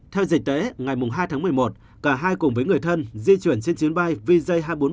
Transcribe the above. theo dịch tế ngày hai tháng một mươi một cả hai cùng với người thân di chuyển trên chiến bay vj hai trăm bốn mươi bảy